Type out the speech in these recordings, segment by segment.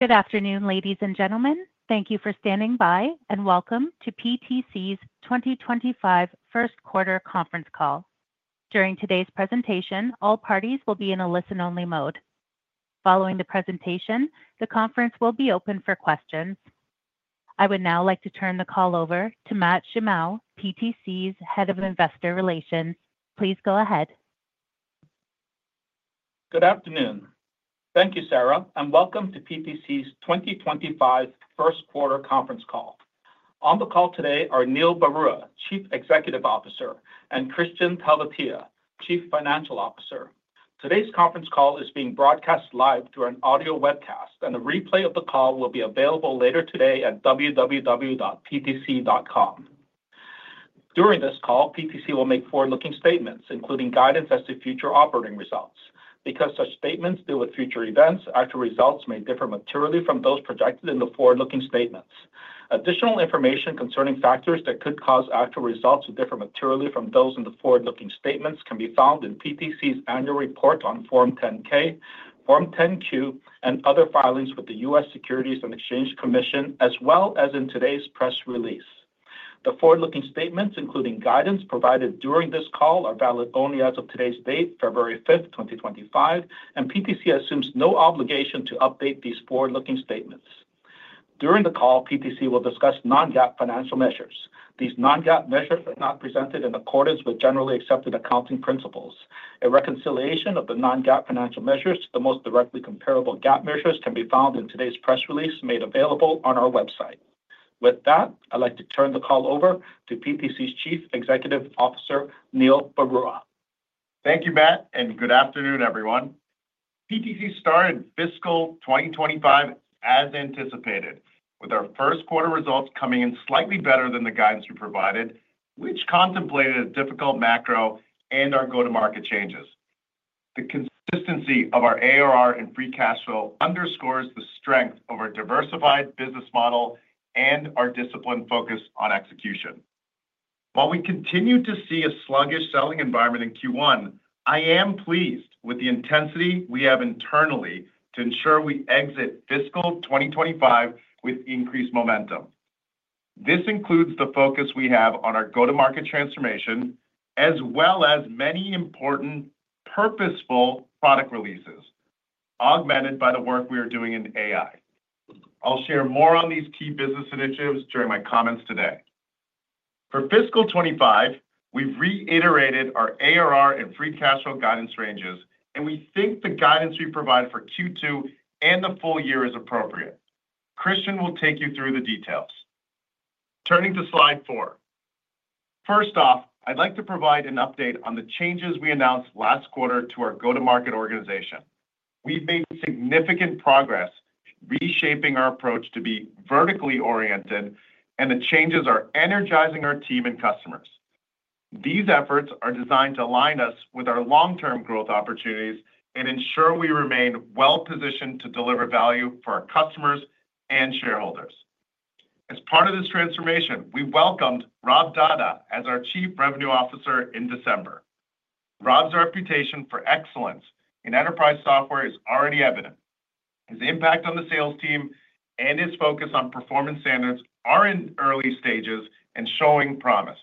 Good afternoon, ladies and gentlemen. Thank you for standing by, and welcome to PTC's 2025 First Quarter Conference Call. During today's presentation, all parties will be in a listen-only mode. Following the presentation, the conference will be open for questions. I would now like to turn the call over to Matt Shimao, PTC's Head of Investor Relations. Please go ahead. Good afternoon. Thank you, Sarah, and welcome to PTC's 2025 First Quarter Conference Call. On the call today are Neil Barua, Chief Executive Officer, and Kristian Talvitie, Chief Financial Officer. Today's conference call is being broadcast live through an audio webcast, and a replay of the call will be available later today at www.ptc.com. During this call, PTC will make forward-looking statements, including guidance as to future operating results. Because such statements deal with future events, actual results may differ materially from those projected in the forward-looking statements. Additional information concerning factors that could cause actual results to differ materially from those in the forward-looking statements can be found in PTC's annual report on Form 10-K, Form 10-Q, and other filings with the U.S. Securities and Exchange Commission, as well as in today's press release. The forward-looking statements, including guidance provided during this call, are valid only as of today's date, February 5, 2025, and PTC assumes no obligation to update these forward-looking statements. During the call, PTC will discuss non-GAAP financial measures. These non-GAAP measures are not presented in accordance with generally accepted accounting principles. A reconciliation of the non-GAAP financial measures to the most directly comparable GAAP measures can be found in today's press release made available on our website. With that, I'd like to turn the call over to PTC's Chief Executive Officer, Neil Barua. Thank you, Matt, and good afternoon, everyone. PTC started fiscal 2025 as anticipated, with our first quarter results coming in slightly better than the guidance we provided, which contemplated a difficult macro and our go-to-market changes. The consistency of our ARR and free cash flow underscores the strength of our diversified business model and our disciplined focus on execution. While we continue to see a sluggish selling environment in Q1, I am pleased with the intensity we have internally to ensure we exit fiscal 2025 with increased momentum. This includes the focus we have on our go-to-market transformation, as well as many important purposeful product releases augmented by the work we are doing in AI. I'll share more on these key business initiatives during my comments today. For fiscal 25, we've reiterated our ARR and free cash flow guidance ranges, and we think the guidance we provide for Q2 and the full year is appropriate. Kristian will take you through the details. Turning to slide four. First off, I'd like to provide an update on the changes we announced last quarter to our go-to-market organization. We've made significant progress reshaping our approach to be vertically oriented, and the changes are energizing our team and customers. These efforts are designed to align us with our long-term growth opportunities and ensure we remain well-positioned to deliver value for our customers and shareholders. As part of this transformation, we welcomed Rob Dahdah as our Chief Revenue Officer in December. Rob's reputation for excellence in enterprise software is already evident. His impact on the sales team and his focus on performance standards are in early stages and showing promise.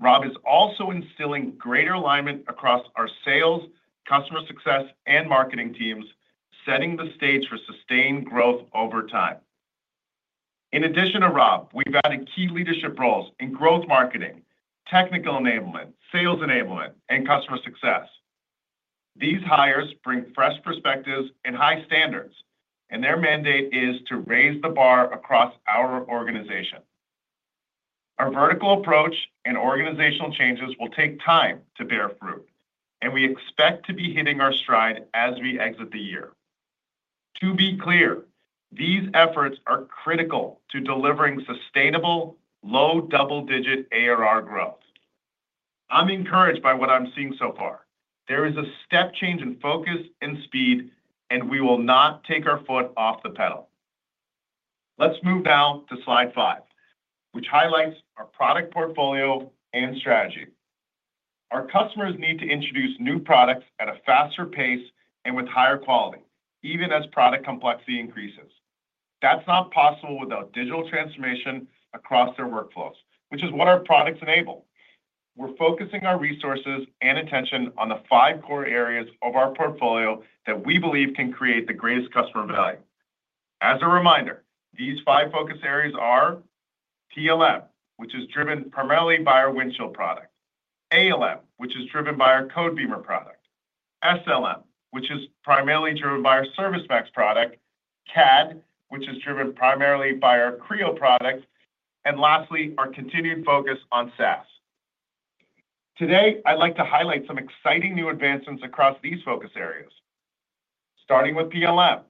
Rob is also instilling greater alignment across our sales, customer success, and marketing teams, setting the stage for sustained growth over time. In addition to Rob, we've added key leadership roles in growth marketing, technical enablement, sales enablement, and customer success. These hires bring fresh perspectives and high standards, and their mandate is to raise the bar across our organization. Our vertical approach and organizational changes will take time to bear fruit, and we expect to be hitting our stride as we exit the year. To be clear, these efforts are critical to delivering sustainable low double-digit ARR growth. I'm encouraged by what I'm seeing so far. There is a step change in focus and speed, and we will not take our foot off the pedal. Let's move now to slide five, which highlights our product portfolio and strategy. Our customers need to introduce new products at a faster pace and with higher quality, even as product complexity increases. That's not possible without digital transformation across their workflows, which is what our products enable. We're focusing our resources and attention on the five core areas of our portfolio that we believe can create the greatest customer value. As a reminder, these five focus areas are PLM, which is driven primarily by our Windchill product. ALM, which is driven by our Codebeamer product. SLM, which is primarily driven by our ServiceMax product. CAD, which is driven primarily by our Creo product. And lastly, our continued focus on SaaS. Today, I'd like to highlight some exciting new advancements across these focus areas. Starting with PLM,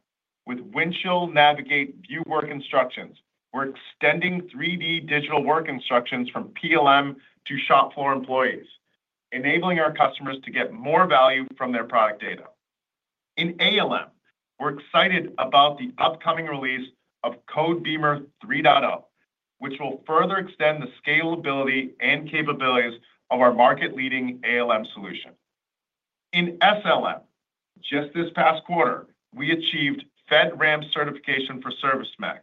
with Windchill Navigate View Work Instructions, we're extending 3D digital work instructions from PLM to shop floor employees, enabling our customers to get more value from their product data. In ALM, we're excited about the upcoming release of Codebeamer 3.0, which will further extend the scalability and capabilities of our market-leading ALM solution. In SLM, just this past quarter, we achieved FedRAMP certification for ServiceMax,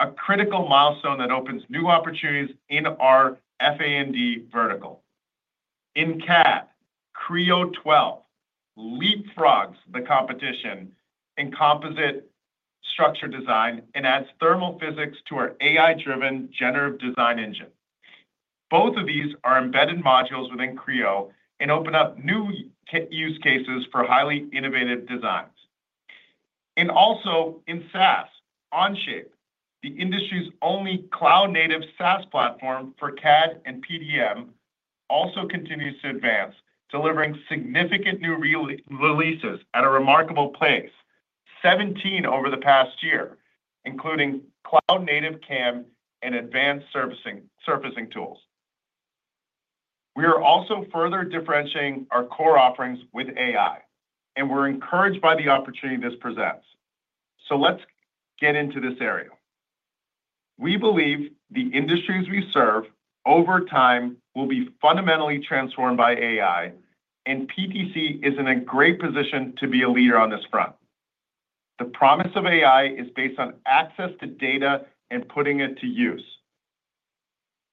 a critical milestone that opens new opportunities in our FA&D vertical. In CAD, Creo 12 leapfrogs the competition in composite structure design and adds thermal physics to our AI-driven generative design engine. Both of these are embedded modules within Creo and open up new use cases for highly innovative designs. And also in SaaS, Onshape, the industry's only cloud-native SaaS platform for CAD and PDM, also continues to advance, delivering significant new releases at a remarkable pace, 17 over the past year, including cloud-native CAM and advanced surfacing tools. We are also further differentiating our core offerings with AI, and we're encouraged by the opportunity this presents. So let's get into this area. We believe the industries we serve over time will be fundamentally transformed by AI, and PTC is in a great position to be a leader on this front. The promise of AI is based on access to data and putting it to use.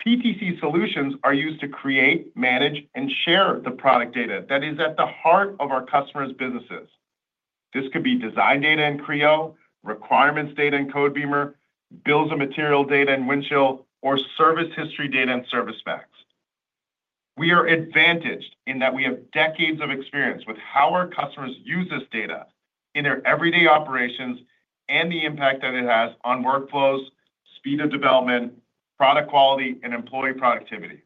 PTC solutions are used to create, manage, and share the product data that is at the heart of our customers' businesses. This could be design data in Creo, requirements data in Codebeamer, bills and material data in Windchill, or service history data in ServiceMax. We are advantaged in that we have decades of experience with how our customers use this data in their everyday operations and the impact that it has on workflows, speed of development, product quality, and employee productivity.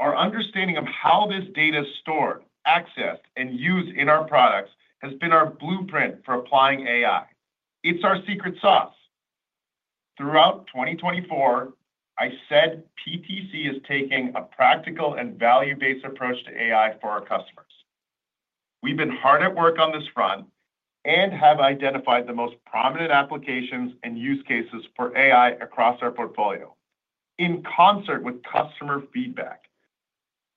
Our understanding of how this data is stored, accessed, and used in our products has been our blueprint for applying AI. It's our secret sauce. Throughout 2024, I said PTC is taking a practical and value-based approach to AI for our customers. We've been hard at work on this front and have identified the most prominent applications and use cases for AI across our portfolio in concert with customer feedback.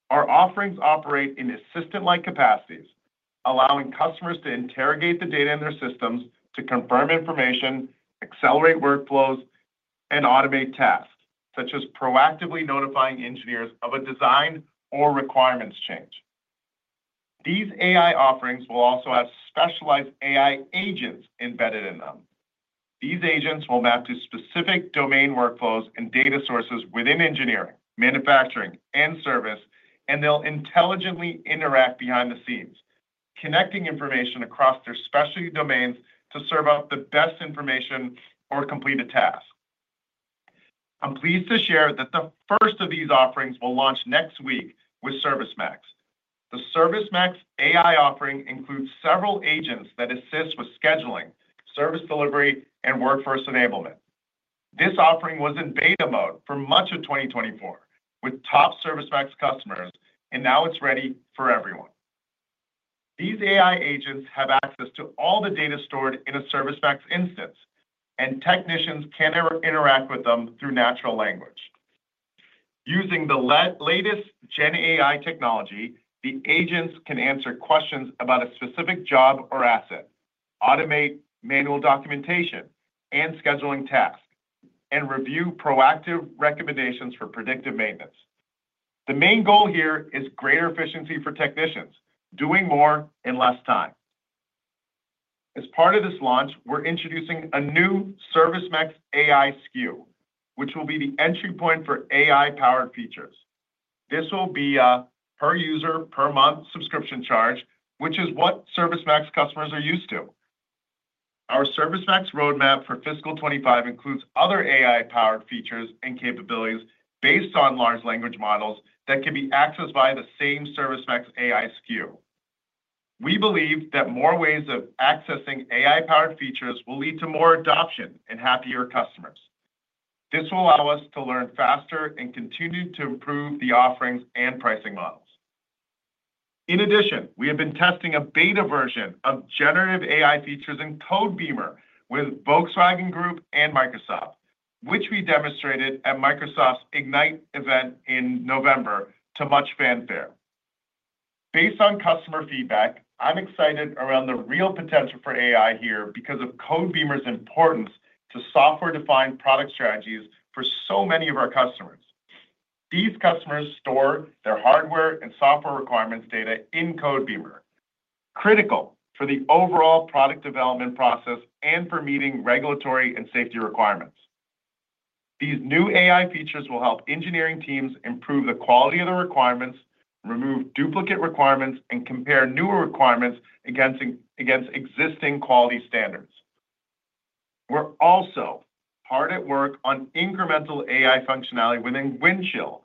Our offerings operate in assistant-like capacities, allowing customers to interrogate the data in their systems to confirm information, accelerate workflows, and automate tasks, such as proactively notifying engineers of a design or requirements change. These AI offerings will also have specialized AI agents embedded in them. These agents will map to specific domain workflows and data sources within engineering, manufacturing, and service, and they'll intelligently interact behind the scenes, connecting information across their specialty domains to serve up the best information or complete a task. I'm pleased to share that the first of these offerings will launch next week with ServiceMax. The ServiceMax AI offering includes several agents that assist with scheduling, service delivery, and workforce enablement. This offering was in beta mode for much of 2024 with top ServiceMax customers, and now it's ready for everyone. These AI agents have access to all the data stored in a ServiceMax instance, and technicians can interact with them through natural language. Using the latest Gen AI technology, the agents can answer questions about a specific job or asset, automate manual documentation and scheduling tasks, and review proactive recommendations for predictive maintenance. The main goal here is greater efficiency for technicians, doing more in less time. As part of this launch, we're introducing a new ServiceMax AI SKU, which will be the entry point for AI-powered features. This will be a per-user, per-month subscription charge, which is what ServiceMax customers are used to. Our ServiceMax roadmap for fiscal 2025 includes other AI-powered features and capabilities based on large language models that can be accessed via the same ServiceMax AI SKU. We believe that more ways of accessing AI-powered features will lead to more adoption and happier customers. This will allow us to learn faster and continue to improve the offerings and pricing models. In addition, we have been testing a beta version of generative AI features in Codebeamer with Volkswagen Group and Microsoft, which we demonstrated at Microsoft's Ignite event in November to much fanfare. Based on customer feedback, I'm excited around the real potential for AI here because of Codebeamer's importance to software-defined product strategies for so many of our customers. These customers store their hardware and software requirements data in Codebeamer, critical for the overall product development process and for meeting regulatory and safety requirements. These new AI features will help engineering teams improve the quality of the requirements, remove duplicate requirements, and compare newer requirements against existing quality standards. We're also hard at work on incremental AI functionality within Windchill,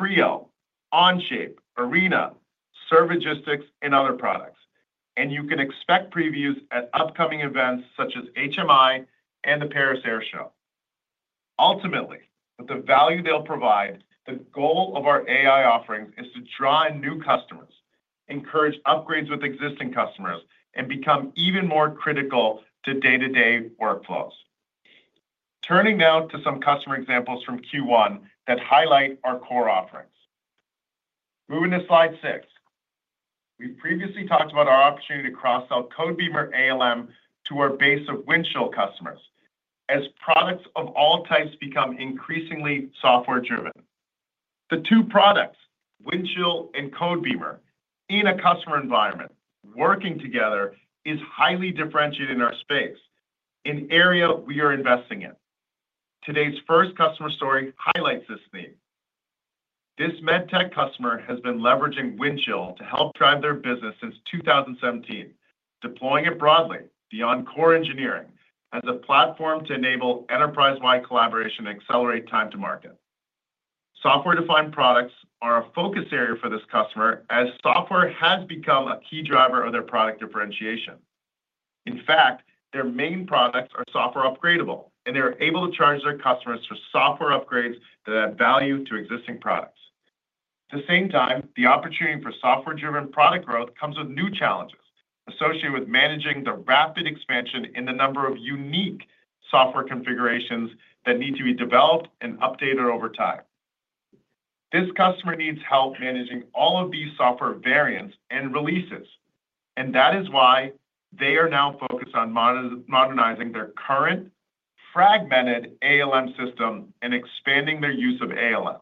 Creo, Onshape, Arena, Servigistics, and other products, and you can expect previews at upcoming events such as PTC and the Paris Air Show. Ultimately, with the value they'll provide, the goal of our AI offerings is to draw in new customers, encourage upgrades with existing customers, and become even more critical to day-to-day workflows. Turning now to some customer examples from Q1 that highlight our core offerings. Moving to slide six, we've previously talked about our opportunity to cross-sell Codebeamer ALM to our base of Windchill customers as products of all types become increasingly software-driven. The two products, Windchill and Codebeamer, in a customer environment working together is highly differentiated in our space, an area we are investing in. Today's first customer story highlights this theme. This med tech customer has been leveraging Windchill to help drive their business since 2017, deploying it broadly beyond core engineering as a platform to enable enterprise-wide collaboration and accelerate time to market. Software-defined products are a focus area for this customer as software has become a key driver of their product differentiation. In fact, their main products are software upgradable, and they're able to charge their customers for software upgrades that add value to existing products. At the same time, the opportunity for software-driven product growth comes with new challenges associated with managing the rapid expansion in the number of unique software configurations that need to be developed and updated over time. This customer needs help managing all of these software variants and releases, and that is why they are now focused on modernizing their current fragmented ALM system and expanding their use of ALM.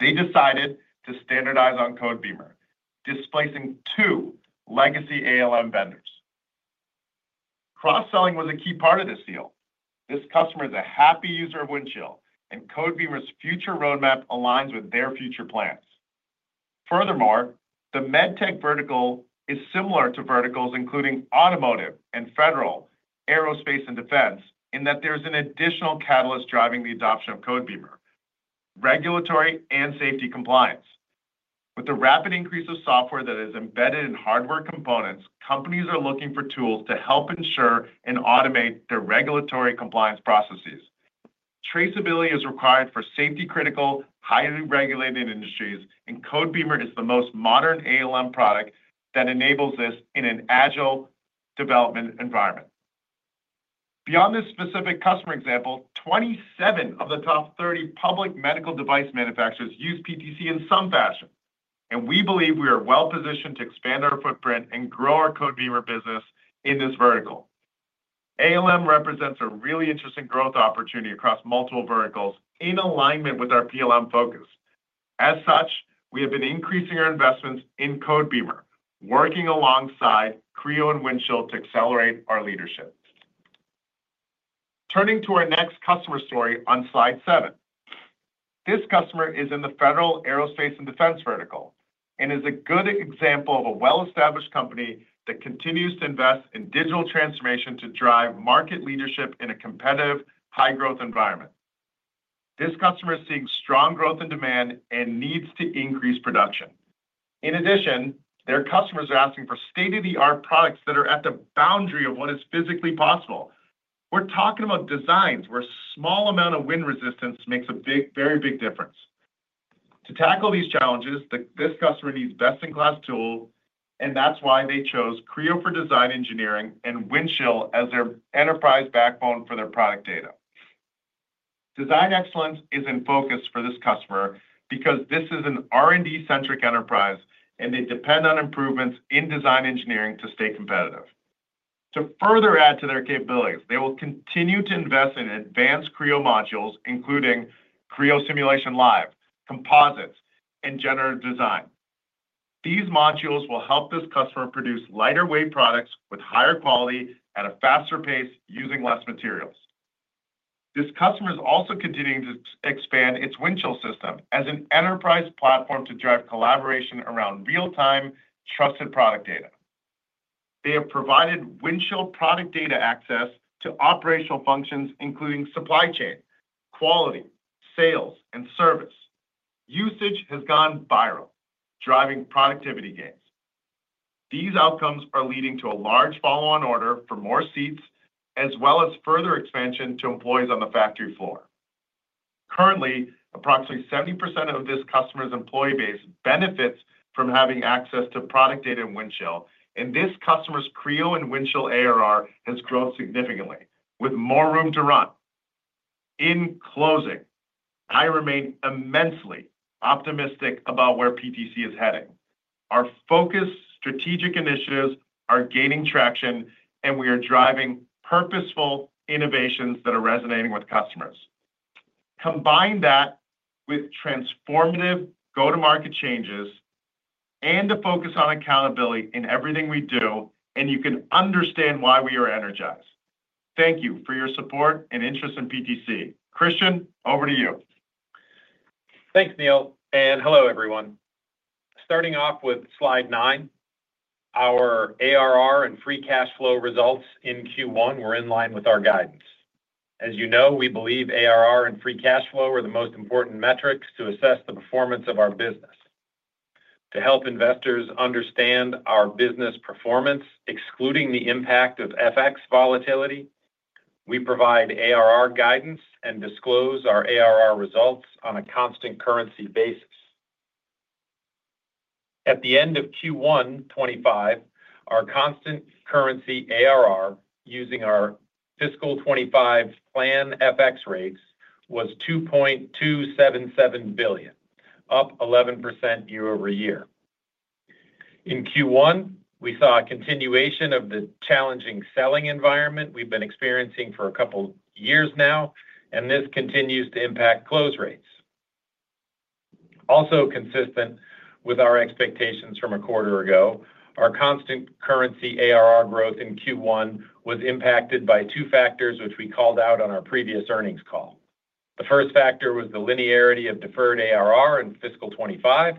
They decided to standardize on Codebeamer, displacing two legacy ALM vendors. Cross-selling was a key part of this deal. This customer is a happy user of Windchill, and Codebeamer's future roadmap aligns with their future plans. Furthermore, the med tech vertical is similar to verticals including automotive and federal, aerospace, and defense in that there's an additional catalyst driving the adoption of Codebeamer: regulatory and safety compliance. With the rapid increase of software that is embedded in hardware components, companies are looking for tools to help ensure and automate their regulatory compliance processes. Traceability is required for safety-critical, highly regulated industries, and Codebeamer is the most modern ALM product that enables this in an agile development environment. Beyond this specific customer example, 27 of the top 30 public medical device manufacturers use PTC in some fashion, and we believe we are well-positioned to expand our footprint and grow our Codebeamer business in this vertical. ALM represents a really interesting growth opportunity across multiple verticals in alignment with our PLM focus. As such, we have been increasing our investments in Codebeamer, working alongside Creo and Windchill to accelerate our leadership. Turning to our next customer story on slide seven, this customer is in the federal aerospace and defense vertical and is a good example of a well-established company that continues to invest in digital transformation to drive market leadership in a competitive, high-growth environment. This customer is seeing strong growth in demand and needs to increase production. In addition, their customers are asking for state-of-the-art products that are at the boundary of what is physically possible. We're talking about designs where a small amount of wind resistance makes a big, very big difference. To tackle these challenges, this customer needs best-in-class tools, and that's why they chose Creo for design engineering and Windchill as their enterprise backbone for their product data. Design excellence is in focus for this customer because this is an R&D-centric enterprise, and they depend on improvements in design engineering to stay competitive. To further add to their capabilities, they will continue to invest in advanced Creo modules, including Creo Simulation Live, composites, and generative design. These modules will help this customer produce lighter-weight products with higher quality at a faster pace using less materials. This customer is also continuing to expand its Windchill system as an enterprise platform to drive collaboration around real-time, trusted product data. They have provided Windchill product data access to operational functions, including supply chain, quality, sales, and service. Usage has gone viral, driving productivity gains. These outcomes are leading to a large follow-on order for more seats, as well as further expansion to employees on the factory floor. Currently, approximately 70% of this customer's employee base benefits from having access to product data in Windchill, and this customer's Creo and Windchill ARR has grown significantly, with more room to run. In closing, I remain immensely optimistic about where PTC is heading. Our focused strategic initiatives are gaining traction, and we are driving purposeful innovations that are resonating with customers. Combine that with transformative go-to-market changes and a focus on accountability in everything we do, and you can understand why we are energized. Thank you for your support and interest in PTC. Kristian, over to you. Thanks, Neil. And hello, everyone. Starting off with slide nine, our ARR and free cash flow results in Q1 were in line with our guidance. As you know, we believe ARR and free cash flow are the most important metrics to assess the performance of our business. To help investors understand our business performance, excluding the impact of FX volatility, we provide ARR guidance and disclose our ARR results on a constant currency basis. At the end of Q1 2025, our constant currency ARR using our fiscal 2025 plan FX rates was $2.277 billion, up 11% year over year. In Q1, we saw a continuation of the challenging selling environment we've been experiencing for a couple of years now, and this continues to impact close rates. Also, consistent with our expectations from a quarter ago, our constant currency ARR growth in Q1 was impacted by two factors, which we called out on our previous earnings call. The first factor was the linearity of deferred ARR in fiscal 2025,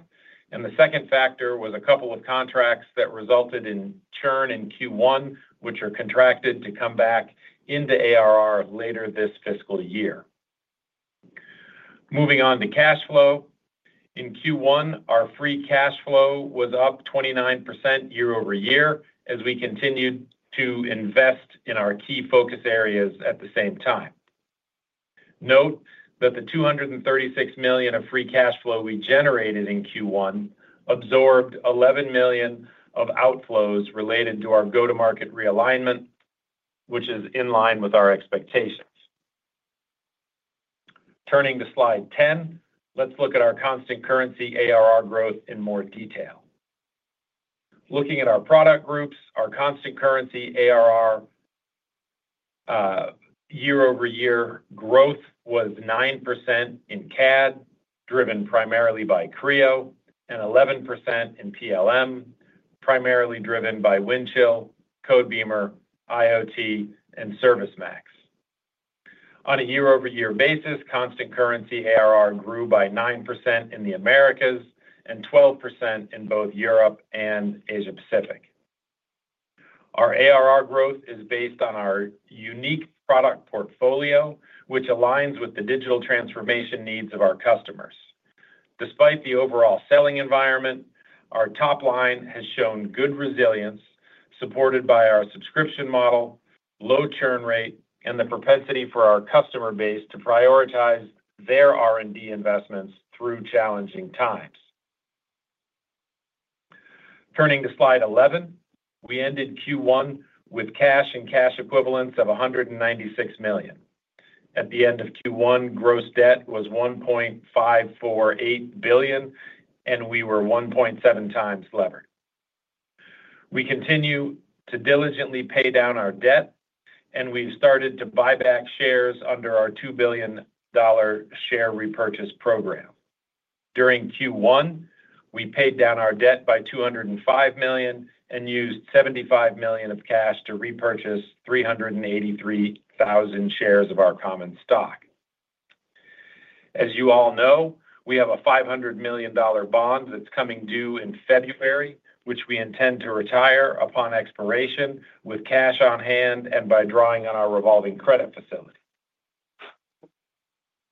and the second factor was a couple of contracts that resulted in churn in Q1, which are contracted to come back into ARR later this fiscal year. Moving on to cash flow, in Q1, our free cash flow was up 29% year over year as we continued to invest in our key focus areas at the same time. Note that the $236 million of free cash flow we generated in Q1 absorbed $11 million of outflows related to our go-to-market realignment, which is in line with our expectations. Turning to slide 10, let's look at our constant currency ARR growth in more detail. Looking at our product groups, our constant currency ARR year-over-year growth was 9% in CAD, driven primarily by Creo, and 11% in PLM, primarily driven by Windchill, Codebeamer, IoT, and ServiceMax. On a year-over-year basis, constant currency ARR grew by 9% in the Americas and 12% in both Europe and Asia-Pacific. Our ARR growth is based on our unique product portfolio, which aligns with the digital transformation needs of our customers. Despite the overall selling environment, our top line has shown good resilience supported by our subscription model, low churn rate, and the propensity for our customer base to prioritize their R&D investments through challenging times. Turning to slide 11, we ended Q1 with cash and cash equivalents of $196 million. At the end of Q1, gross debt was $1.548 billion, and we were 1.7 times levered. We continue to diligently pay down our debt, and we've started to buy back shares under our $2 billion share repurchase program. During Q1, we paid down our debt by $205 million and used $75 million of cash to repurchase 383,000 shares of our common stock. As you all know, we have a $500 million bond that's coming due in February, which we intend to retire upon expiration with cash on hand and by drawing on our revolving credit facility.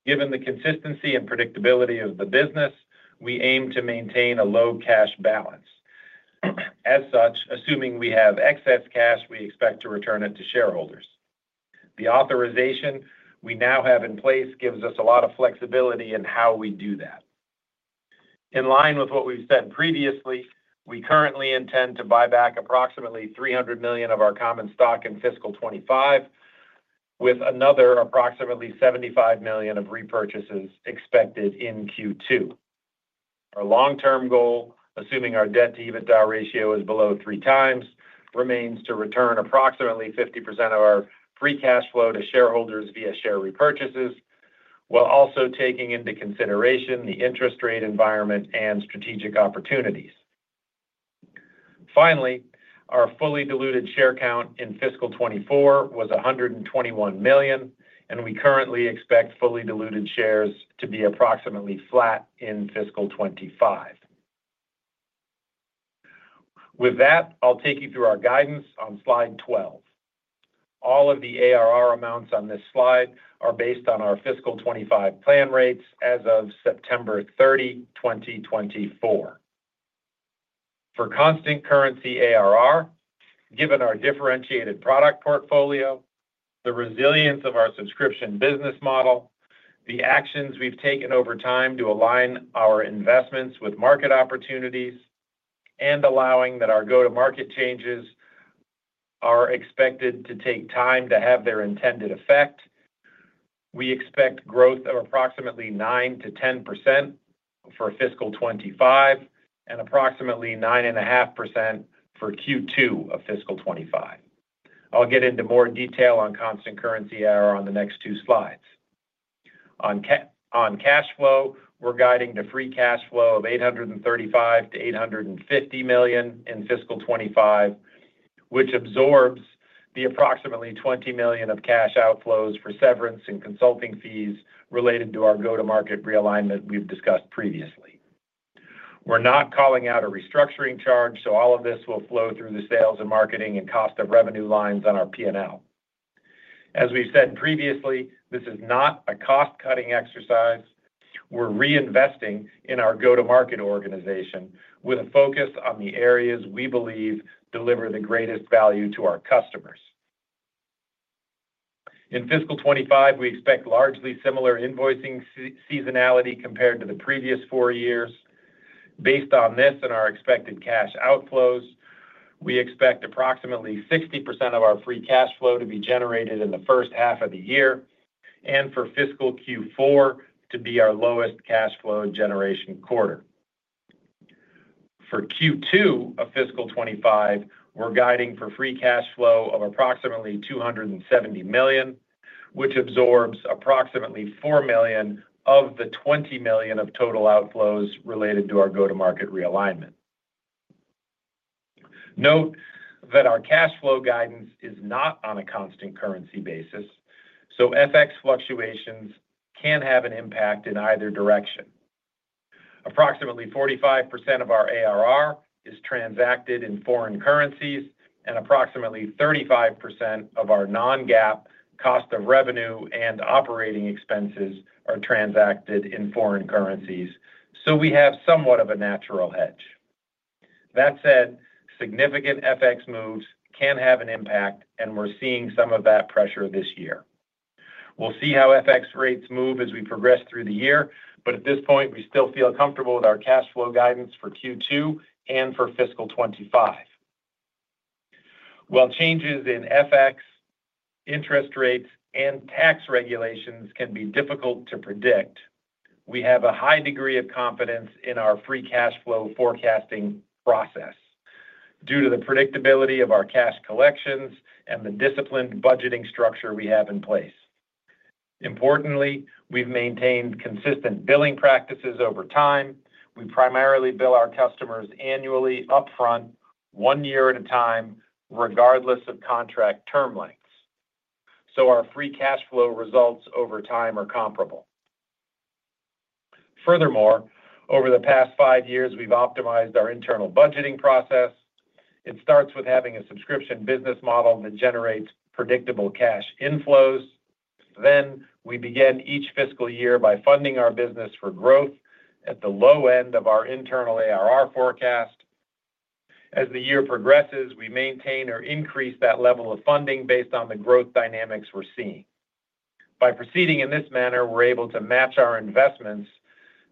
Given the consistency and predictability of the business, we aim to maintain a low cash balance. As such, assuming we have excess cash, we expect to return it to shareholders. The authorization we now have in place gives us a lot of flexibility in how we do that. In line with what we've said previously, we currently intend to buy back approximately 300 million of our common stock in fiscal '25, with another approximately 75 million of repurchases expected in Q2. Our long-term goal, assuming our debt-to-EBITDA ratio is below three times, remains to return approximately 50% of our free cash flow to shareholders via share repurchases, while also taking into consideration the interest rate environment and strategic opportunities. Finally, our fully diluted share count in fiscal '24 was 121 million, and we currently expect fully diluted shares to be approximately flat in fiscal '25. With that, I'll take you through our guidance on slide 12. All of the ARR amounts on this slide are based on our fiscal '25 plan rates as of September 30, 2024. For constant currency ARR, given our differentiated product portfolio, the resilience of our subscription business model, the actions we've taken over time to align our investments with market opportunities, and allowing that our go-to-market changes are expected to take time to have their intended effect, we expect growth of approximately 9%-10% for fiscal 2025 and approximately 9.5% for Q2 of fiscal 2025. I'll get into more detail on constant currency ARR on the next two slides. On cash flow, we're guiding the free cash flow of $835 million-$850 million in fiscal 2025, which absorbs the approximately $20 million of cash outflows for severance and consulting fees related to our go-to-market realignment we've discussed previously. We're not calling out a restructuring charge, so all of this will flow through the sales and marketing and cost of revenue lines on our P&L. As we've said previously, this is not a cost-cutting exercise. We're reinvesting in our go-to-market organization with a focus on the areas we believe deliver the greatest value to our customers. In fiscal 2025, we expect largely similar invoicing seasonality compared to the previous four years. Based on this and our expected cash outflows, we expect approximately 60% of our free cash flow to be generated in the first half of the year and for fiscal Q4 to be our lowest cash flow generation quarter. For Q2 of fiscal 2025, we're guiding for free cash flow of approximately $270 million, which absorbs approximately $4 million of the $20 million of total outflows related to our go-to-market realignment. Note that our cash flow guidance is not on a constant currency basis, so FX fluctuations can have an impact in either direction. Approximately 45% of our ARR is transacted in foreign currencies, and approximately 35% of our non-GAAP cost of revenue and operating expenses are transacted in foreign currencies, so we have somewhat of a natural hedge. That said, significant FX moves can have an impact, and we're seeing some of that pressure this year. We'll see how FX rates move as we progress through the year, but at this point, we still feel comfortable with our cash flow guidance for Q2 and for fiscal 2025. While changes in FX, interest rates, and tax regulations can be difficult to predict, we have a high degree of confidence in our free cash flow forecasting process due to the predictability of our cash collections and the disciplined budgeting structure we have in place. Importantly, we've maintained consistent billing practices over time. We primarily bill our customers annually upfront, one year at a time, regardless of contract term lengths, so our free cash flow results over time are comparable. Furthermore, over the past five years, we've optimized our internal budgeting process. It starts with having a subscription business model that generates predictable cash inflows. Then, we begin each fiscal year by funding our business for growth at the low end of our internal ARR forecast. As the year progresses, we maintain or increase that level of funding based on the growth dynamics we're seeing. By proceeding in this manner, we're able to match our investments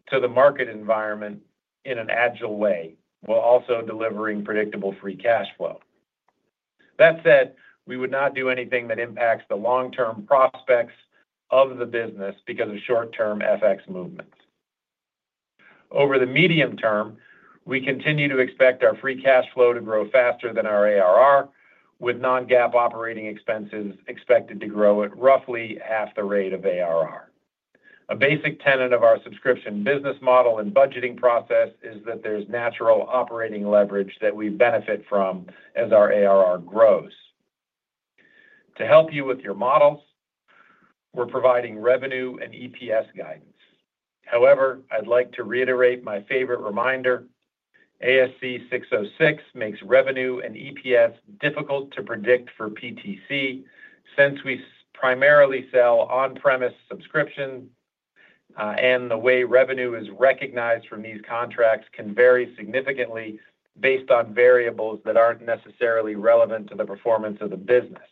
to the market environment in an agile way, while also delivering predictable free cash flow. That said, we would not do anything that impacts the long-term prospects of the business because of short-term FX movements. Over the medium term, we continue to expect our free cash flow to grow faster than our ARR, with non-GAAP operating expenses expected to grow at roughly half the rate of ARR. A basic tenet of our subscription business model and budgeting process is that there's natural operating leverage that we benefit from as our ARR grows. To help you with your models, we're providing revenue and EPS guidance. However, I'd like to reiterate my favorite reminder. ASC 606 makes revenue and EPS difficult to predict for PTC since we primarily sell on-premise subscriptions, and the way revenue is recognized from these contracts can vary significantly based on variables that aren't necessarily relevant to the performance of the business.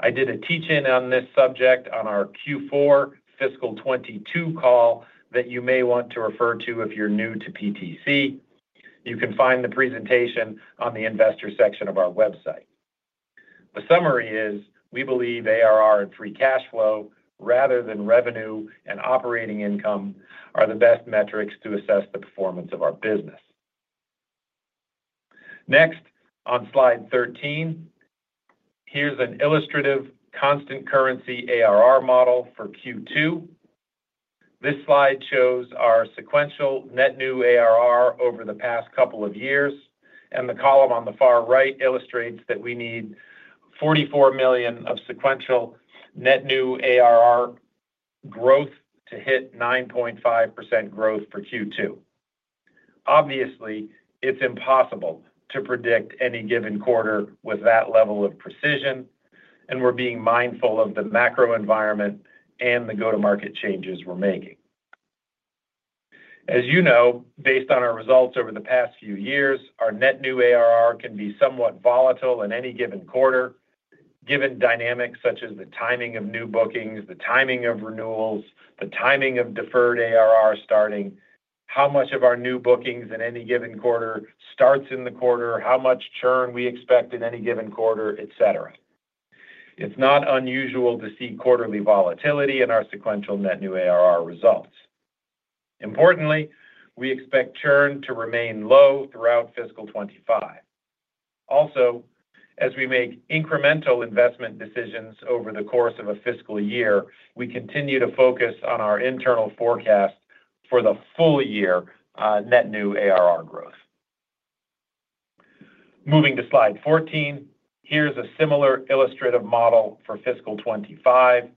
I did a teach-in on this subject on our Q4 fiscal 2022 call that you may want to refer to if you're new to PTC. You can find the presentation on the investor section of our website. The summary is we believe ARR and free cash flow, rather than revenue and operating income, are the best metrics to assess the performance of our business. Next, on slide 13, here's an illustrative constant currency ARR model for Q2. This slide shows our sequential net new ARR over the past couple of years, and the column on the far right illustrates that we need 44 million of sequential net new ARR growth to hit 9.5% growth for Q2. Obviously, it's impossible to predict any given quarter with that level of precision, and we're being mindful of the macro environment and the go-to-market changes we're making. As you know, based on our results over the past few years, our net new ARR can be somewhat volatile in any given quarter, given dynamics such as the timing of new bookings, the timing of renewals, the timing of deferred ARR starting, how much of our new bookings in any given quarter starts in the quarter, how much churn we expect in any given quarter, etc. It's not unusual to see quarterly volatility in our sequential net new ARR results. Importantly, we expect churn to remain low throughout fiscal 2025. Also, as we make incremental investment decisions over the course of a fiscal year, we continue to focus on our internal forecast for the full year net new ARR growth. Moving to slide 14, here's a similar illustrative model for fiscal 2025.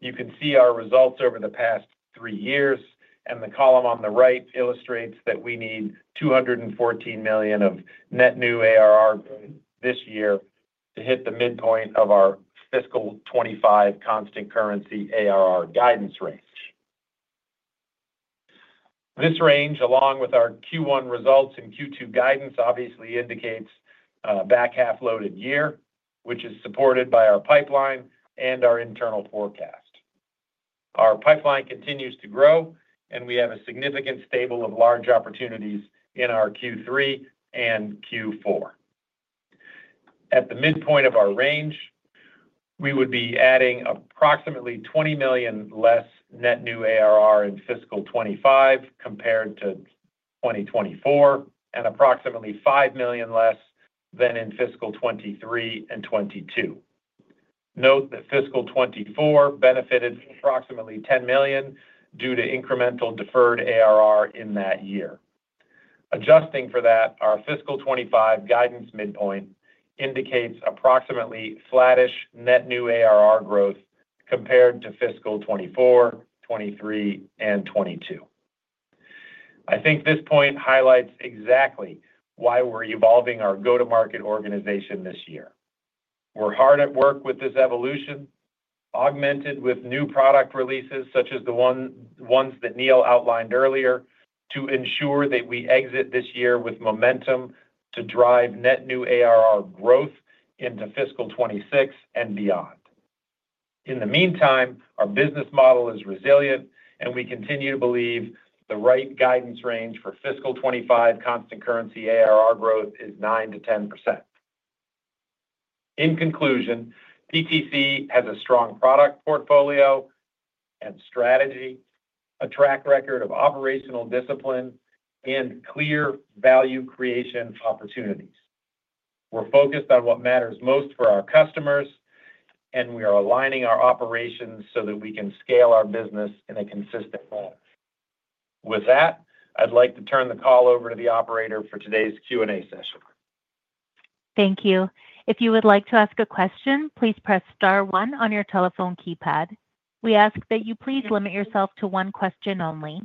You can see our results over the past three years, and the column on the right illustrates that we need $214 million of net new ARR this year to hit the midpoint of our fiscal 2025 constant currency ARR guidance range. This range, along with our Q1 results and Q2 guidance, obviously indicates a back-half loaded year, which is supported by our pipeline and our internal forecast. Our pipeline continues to grow, and we have a significant stable of large opportunities in our Q3 and Q4. At the midpoint of our range, we would be adding approximately $20 million less net new ARR in fiscal 2025 compared to 2024, and approximately $5 million less than in fiscal 2023 and 2022. Note that fiscal 2024 benefited approximately $10 million due to incremental deferred ARR in that year. Adjusting for that, our fiscal 2025 guidance midpoint indicates approximately flattish net new ARR growth compared to fiscal 2024, 2023, and 2022. I think this point highlights exactly why we're evolving our go-to-market organization this year. We're hard at work with this evolution, augmented with new product releases such as the ones that Neil outlined earlier, to ensure that we exit this year with momentum to drive net new ARR growth into fiscal 2026 and beyond. In the meantime, our business model is resilient, and we continue to believe the right guidance range for fiscal 2025 constant currency ARR growth is 9%-10%. In conclusion, PTC has a strong product portfolio and strategy, a track record of operational discipline, and clear value creation opportunities. We're focused on what matters most for our customers, and we are aligning our operations so that we can scale our business in a consistent way. With that, I'd like to turn the call over to the operator for today's Q&A session. Thank you. If you would like to ask a question, please press star one on your telephone keypad. We ask that you please limit yourself to one question only.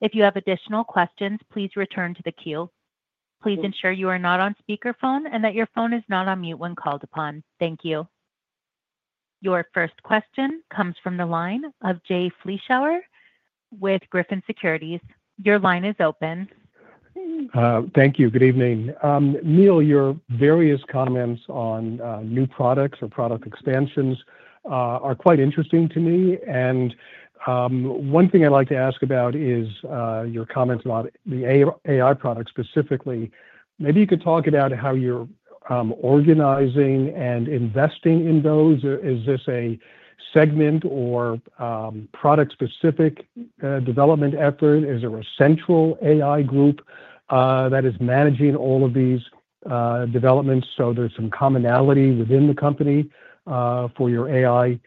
If you have additional questions, please return to the queue. Please ensure you are not on speakerphone and that your phone is not on mute when called upon. Thank you. Your first question comes from the line of Jay Vleeschhouwer with Griffin Securities. Your line is open. Thank you. Good evening. Neil, your various comments on new products or product expansions are quite interesting to me. And one thing I'd like to ask about is your comments about the AI product specifically. Maybe you could talk about how you're organizing and investing in those. Is this a segment or product-specific development effort? Is there a central AI group that is managing all of these developments so there's some commonality within the company for your AI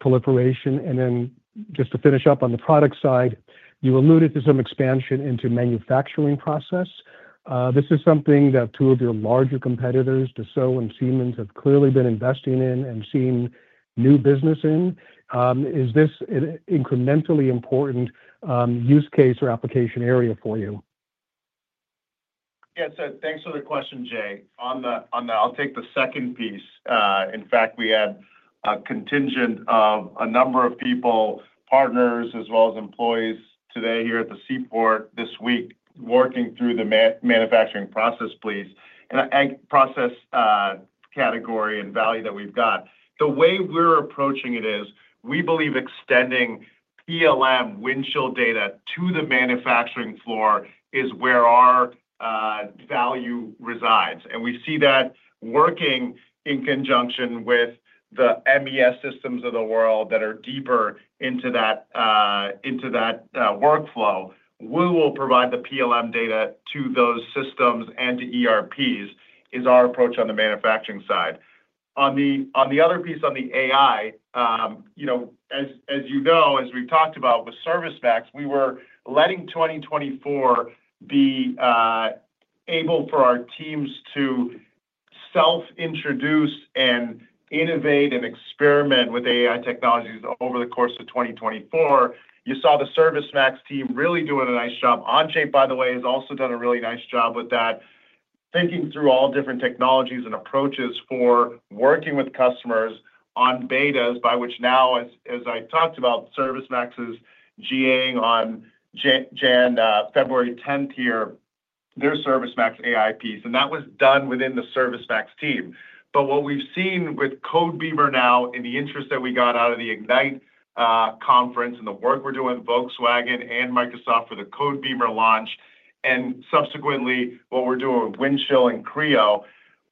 proliferation? And then just to finish up on the product side, you alluded to some expansion into manufacturing process. This is something that two of your larger competitors, Dassault and Siemens, have clearly been investing in and seeing new business in. Is this an incrementally important use case or application area for you? Yeah. So thanks for the question, Jay. I'll take the second piece. In fact, we had a contingent of a number of people, partners, as well as employees today here at the seaport this week working through the manufacturing process plays, and process category and value that we've got. The way we're approaching it is we believe extending PLM Windchill data to the manufacturing floor is where our value resides. And we see that working in conjunction with the MES systems of the world that are deeper into that workflow. We will provide the PLM data to those systems and to ERPs is our approach on the manufacturing side. On the other piece on the AI, as you know, as we've talked about with ServiceMax, we were letting 2024 be able for our teams to self-introduce and innovate and experiment with AI technologies over the course of 2024. You saw the ServiceMax team really doing a nice job. Onshape, by the way, has also done a really nice job with that, thinking through all different technologies and approaches for working with customers on betas, by which now, as I talked about, ServiceMax is GAing on January 10th here, their ServiceMax AI piece. And that was done within the ServiceMax team. But what we've seen with Codebeamer now, in the interest that we got out of the Ignite conference and the work we're doing with Volkswagen and Microsoft for the Codebeamer launch, and subsequently what we're doing with Windchill and Creo,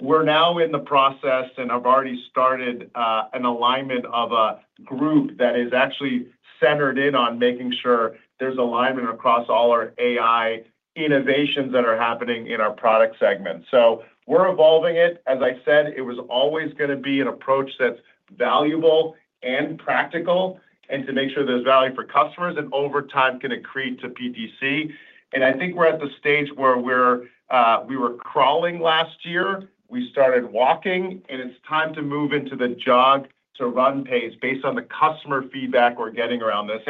we're now in the process and have already started an alignment of a group that is actually centered in on making sure there's alignment across all our AI innovations that are happening in our product segment. So we're evolving it. As I said, it was always going to be an approach that's valuable and practical and to make sure there's value for customers and over time can accrete to PTC. I think we're at the stage where we were crawling last year. We started walking, and it's time to move into the jog-to-run pace based on the customer feedback we're getting around this.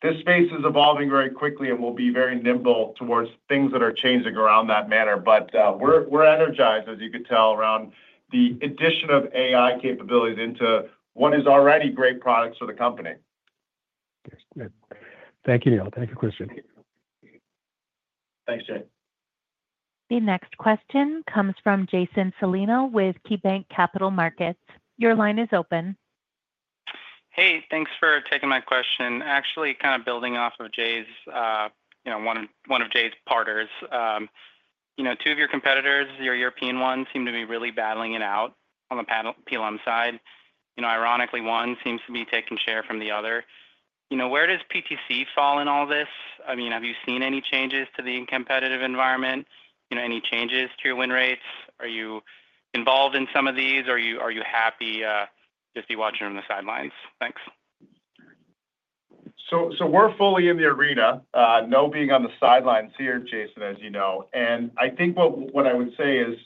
This space is evolving very quickly, and we'll be very nimble towards things that are changing around that manner. But we're energized, as you could tell, around the addition of AI capabilities into what is already great products for the company. Thank you, Neil. Thank you, Kristian. Thanks, Jay. The next question comes from Jason Celino with KeyBank Capital Markets. Your line is open. Hey, thanks for taking my question. Actually, kind of building off of Jay's one of Jay's partners. Two of your competitors, your European ones, seem to be really battling it out on the PLM side. Ironically, one seems to be taking share from the other. Where does PTC fall in all this? I mean, have you seen any changes to the competitive environment? Any changes to your win rates? Are you involved in some of these? Are you happy just to be watching from the sidelines? Thanks. We're fully in the arena, no being on the sidelines here, Jason, as you know. And I think what I would say is,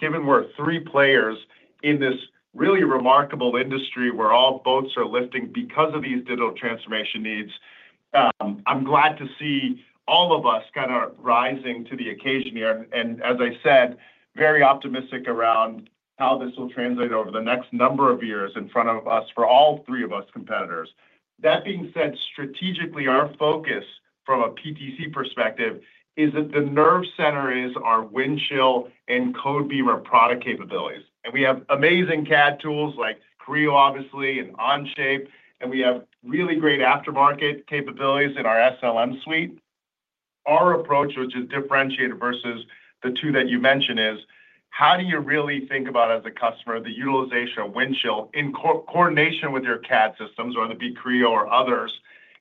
given we're three players in this really remarkable industry where all boats are lifting because of these digital transformation needs, I'm glad to see all of us kind of rising to the occasion here. And as I said, very optimistic around how this will translate over the next number of years in front of us for all three of our competitors. That being said, strategically, our focus from a PTC perspective is that the nerve center is our Windchill and Codebeamer product capabilities. And we have amazing CAD tools like Creo, obviously, and Onshape, and we have really great aftermarket capabilities in our SLM suite. Our approach, which is differentiated versus the two that you mentioned, is how do you really think about, as a customer, the utilization of Windchill in coordination with your CAD systems or the, be it Creo or others,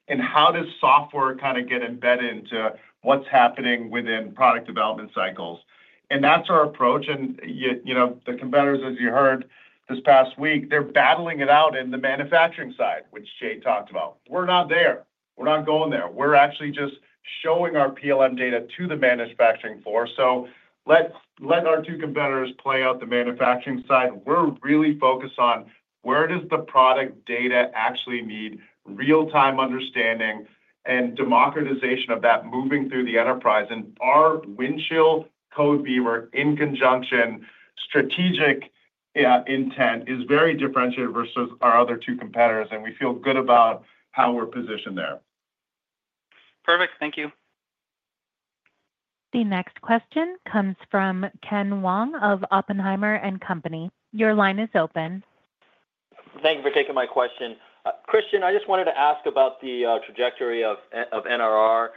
and how does software kind of get embedded into what's happening within product development cycles? And that's our approach. And the competitors, as you heard this past week, they're battling it out in the manufacturing side, which Jay talked about. We're not there. We're not going there. We're actually just showing our PLM data to the manufacturing floor. So let our two competitors play out the manufacturing side. We're really focused on where does the product data actually need real-time understanding and democratization of that moving through the enterprise. And our Windchill Codebeamer in conjunction strategic intent is very differentiated versus our other two competitors, and we feel good about how we're positioned there. Perfect. Thank you. The next question comes from Ken Wong of Oppenheimer & Co. Your line is open. Thank you for taking my question. Kristian, I just wanted to ask about the trajectory of NRR.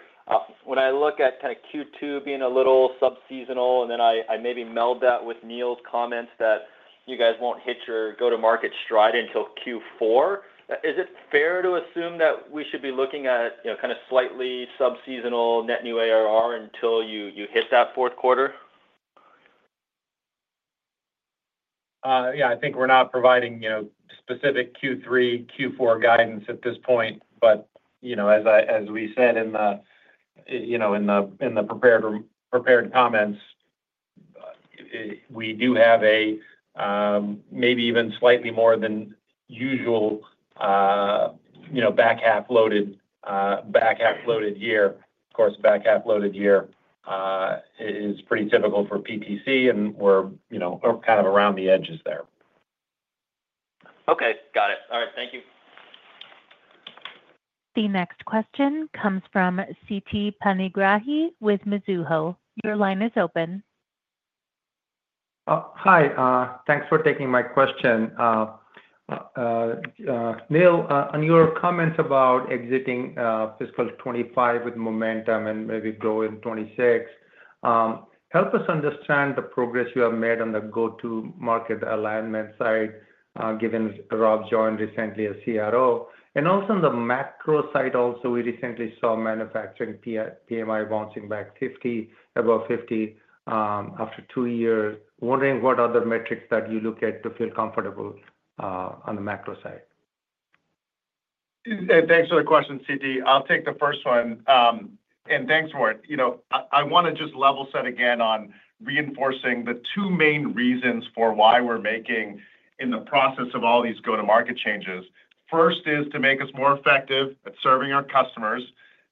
When I look at kind of Q2 being a little subseasonal, and then I maybe meld that with Neil's comments that you guys won't hit your go-to-market stride until Q4, is it fair to assume that we should be looking at kind of slightly subseasonal net new ARR until you hit that fourth quarter? Yeah. I think we're not providing specific Q3, Q4 guidance at this point. But as we said in the prepared comments, we do have a maybe even slightly more than usual back-half loaded year. Of course, back-half loaded year is pretty typical for PTC, and we're kind of around the edges there. Okay. Got it. All right. Thank you. The next question comes from Siti Panigrahi with Mizuho. Your line is open. Hi. Thanks for taking my question. Neil, on your comments about exiting fiscal 2025 with momentum and maybe grow in 2026, help us understand the progress you have made on the go-to-market alignment side, given Rob joined recently as CRO. And also on the macro side, also, we recently saw manufacturing PMI bouncing back above 50 after two years. Wondering what other metrics that you look at to feel comfortable on the macro side. Thanks for the question, Siti. I'll take the first one. And thanks for it. I want to just level set again on reinforcing the two main reasons for why we're making in the process of all these go-to-market changes. First is to make us more effective at serving our customers.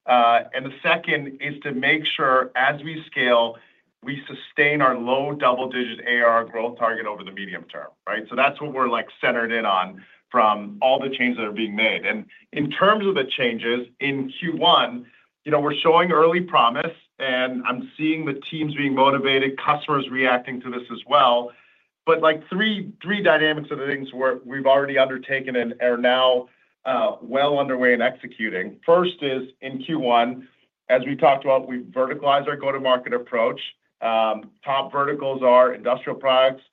And the second is to make sure, as we scale, we sustain our low double-digit ARR growth target over the medium term, right? So that's what we're centered in on from all the changes that are being made. And in terms of the changes in Q1, we're showing early promise, and I'm seeing the teams being motivated, customers reacting to this as well. But three dynamics of the things we've already undertaken and are now well underway in executing. First is in Q1, as we talked about, we've verticalized our go-to-market approach. Top verticals are industrial products,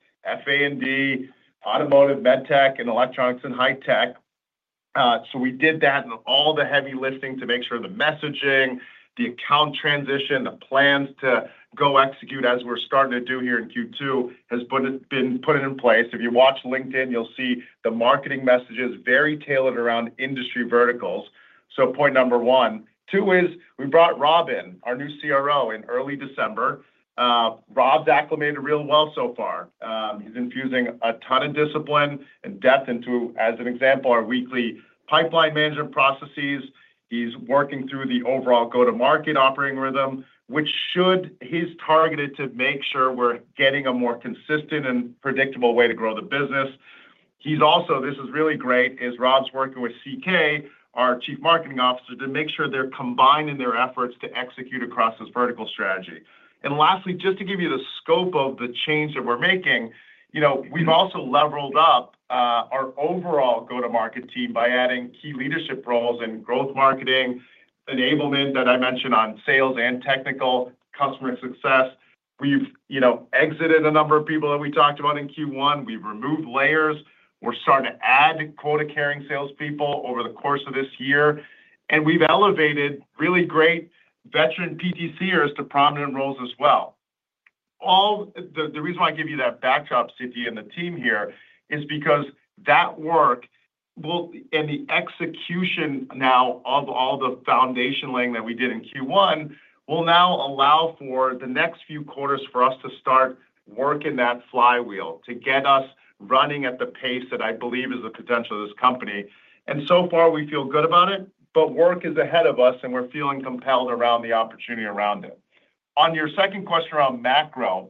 FA&D, automotive, med tech, and electronics and high tech. So we did all the heavy lifting to make sure the messaging, the account transition, the plans to go execute, as we're starting to do here in Q2, has been put in place. If you watch LinkedIn, you'll see the marketing messages very tailored around industry verticals. So point number one. Two is we brought Rob in, our new CRO, in early December. Rob's acclimated real well so far. He's infusing a ton of discipline and depth into, as an example, our weekly pipeline management processes. He's working through the overall go-to-market operating rhythm, which he's targeted to make sure we're getting a more consistent and predictable way to grow the business. He's also, this is really great, is Rob's working with CK, our Chief Marketing Officer, to make sure they're combining their efforts to execute across this vertical strategy. And lastly, just to give you the scope of the change that we're making, we've also leveled up our overall go-to-market team by adding key leadership roles in growth marketing, enablement that I mentioned on sales, and technical customer success. We've exited a number of people that we talked about in Q1. We've removed layers. We're starting to add quota-carrying salespeople over the course of this year. We've elevated really great veteran PTCers to prominent roles as well. The reason why I give you that backdrop, Siti, and the team here is because that work and the execution now of all the foundation laying that we did in Q1 will now allow for the next few quarters for us to start working that flywheel to get us running at the pace that I believe is the potential of this company. So far, we feel good about it, but work is ahead of us, and we're feeling compelled around the opportunity around it. On your second question around macro,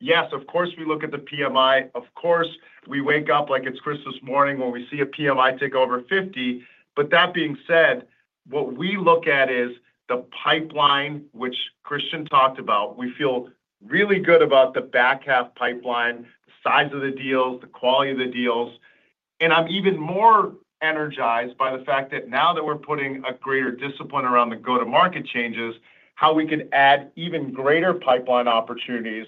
yes, of course, we look at the PMI. Of course, we wake up like it's Christmas morning when we see a PMI tick over 50. That being said, what we look at is the pipeline, which Kristian talked about. We feel really good about the back-half pipeline, the size of the deals, the quality of the deals. And I'm even more energized by the fact that now that we're putting a greater discipline around the go-to-market changes, how we could add even greater pipeline opportunities.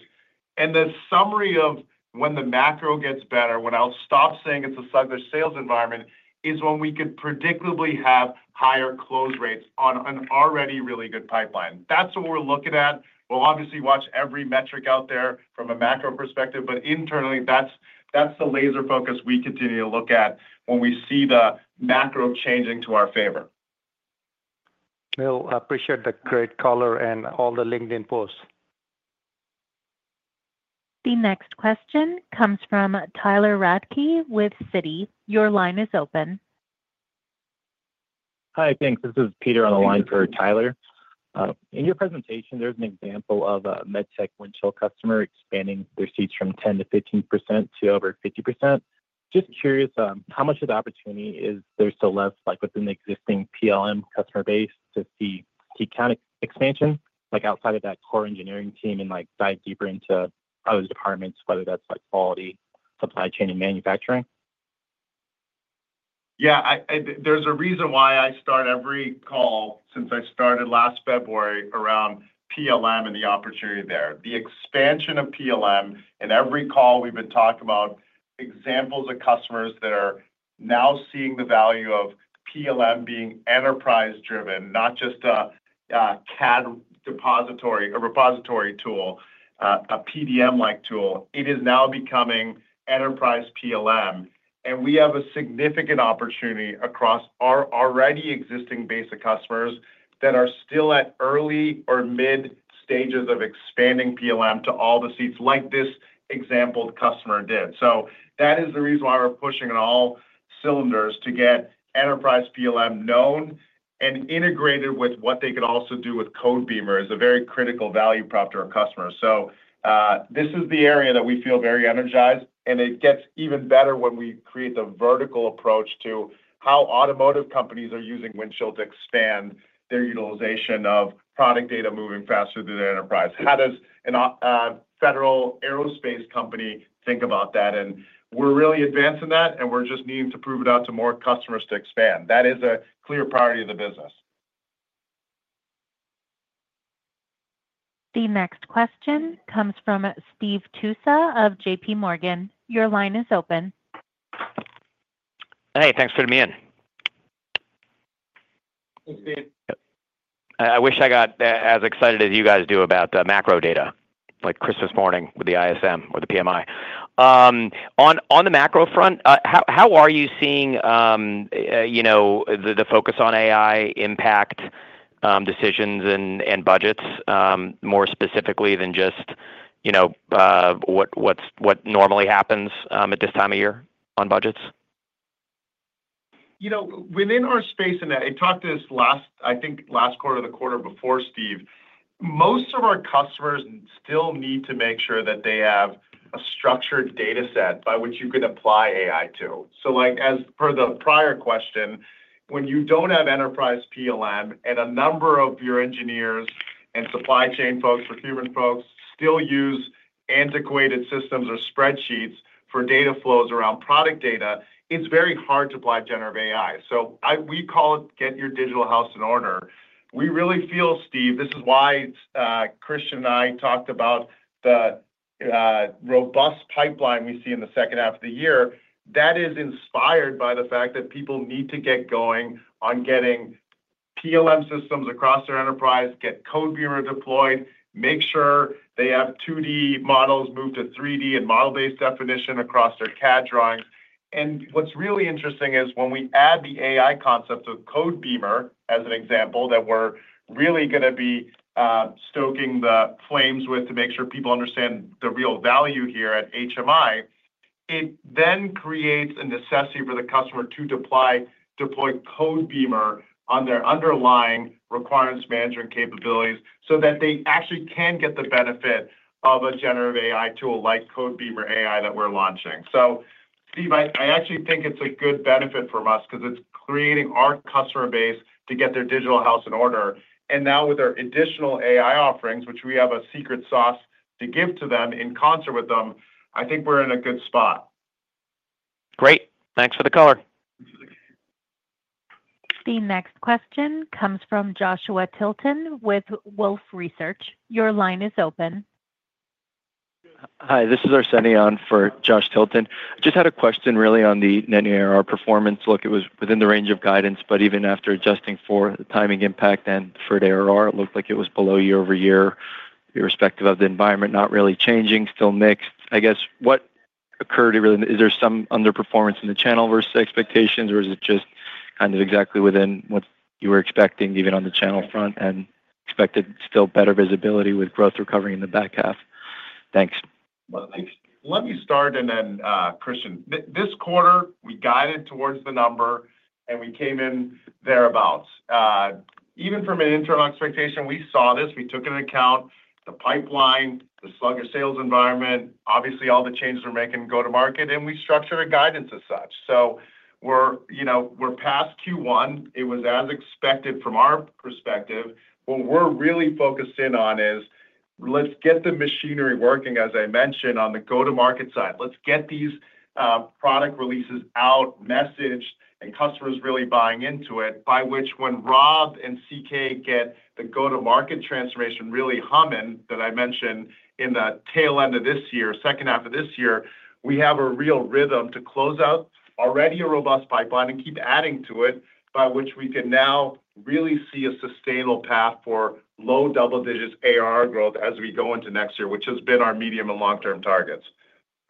And the summary of when the macro gets better, when I'll stop saying it's a cyclical sales environment, is when we could predictably have higher close rates on an already really good pipeline. That's what we're looking at. We'll obviously watch every metric out there from a macro perspective, but internally, that's the laser focus we continue to look at when we see the macro changing to our favor. Neil, appreciate the great color and all the LinkedIn posts. The next question comes from Tyler Radke with Citi. Your line is open. Hi, thanks. This is Peter on the line for Tyler. In your presentation, there's an example of a med tech Windchill customer expanding their seats from 10%-15% to over 50%. Just curious, how much of the opportunity is there still left within the existing PLM customer base to see key expansion outside of that core engineering team and dive deeper into other departments, whether that's quality, supply chain, and manufacturing? Yeah. There's a reason why I start every call since I started last February around PLM and the opportunity there. The expansion of PLM in every call we've been talking about, examples of customers that are now seeing the value of PLM being enterprise-driven, not just a CAD repository tool, a PDM-like tool. It is now becoming enterprise PLM. We have a significant opportunity across our already existing base of customers that are still at early or mid stages of expanding PLM to all the seats like this example customer did. So that is the reason why we're pushing in all cylinders to get enterprise PLM known and integrated with what they could also do with Codebeamer as a very critical value prop to our customers. So this is the area that we feel very energized, and it gets even better when we create the vertical approach to how automotive companies are using Windchill to expand their utilization of product data moving faster through the enterprise. How does a federal aerospace company think about that? And we're really advancing that, and we're just needing to prove it out to more customers to expand. That is a clear priority of the business. The next question comes from Steve Tusa of J.P. Morgan. Your line is open. Hey, thanks for taking my question. Thanks, Steve. I wish I got as excited as you guys do about the macro data like Christmas morning with the ISM or the PMI. On the macro front, how are you seeing the focus on AI impact decisions and budgets more specifically than just what normally happens at this time of year on budgets? Within our space, and I talked to this last, I think, last quarter or the quarter before, Steve, most of our customers still need to make sure that they have a structured data set by which you could apply AI to. So as per the prior question, when you don't have enterprise PLM and a number of your engineers and supply chain folks or human folks still use antiquated systems or spreadsheets for data flows around product data, it's very hard to apply generative AI. So we call it get your digital house in order. We really feel, Steve, this is why Kristian and I talked about the robust pipeline we see in the second half of the year. That is inspired by the fact that people need to get going on getting PLM systems across their enterprise, get Codebeamer deployed, make sure they have 2D models moved to 3D and model-based definition across their CAD drawings. And what's really interesting is when we add the AI concept of Codebeamer as an example that we're really going to be stoking the flames with to make sure people understand the real value here at PTC, it then creates a necessity for the customer to deploy Codebeamer on their underlying requirements management capabilities so that they actually can get the benefit of a generative AI tool like Codebeamer AI that we're launching. So, Steve, I actually think it's a good benefit for us because it's creating our customer base to get their digital house in order. And now with our additional AI offerings, which we have a secret sauce to give to them in concert with them, I think we're in a good spot. Great. Thanks for the color. The next question comes from Joshua Tilton with Wolfe Research. Your line is open. Hi. This is Arsenije for Josh Tilton. Just had a question really on the net new ARR performance. It was within the range of guidance, but even after adjusting for the timing impact and for the ARR, it looked like it was below year-over-year, irrespective of the environment, not really changing, still mixed. I guess what occurred? Is there some underperformance in the channel versus expectations, or is it just kind of exactly within what you were expecting even on the channel front and expected still better visibility with growth recovering in the back half? Thanks. Thanks. Let me start and then, Kristian, this quarter, we guided towards the number, and we came in thereabouts. Even from an internal expectation, we saw this. We took into account the pipeline, the sluggish sales environment, obviously all the changes we're making in go-to-market, and we structured our guidance as such. So we're past Q1. It was as expected from our perspective. What we're really focused in on is let's get the machinery working, as I mentioned, on the go-to-market side. Let's get these product releases out, messaged, and customers really buying into it, by which when Rob and CK get the go-to-market transformation really humming that I mentioned in the tail end of this year, second half of this year, we have a real rhythm to close out already a robust pipeline and keep adding to it, by which we can now really see a sustainable path for low double-digits ARR growth as we go into next year, which has been our medium and long-term targets.